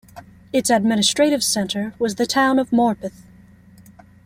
Its administrative centre was the town of Morpeth.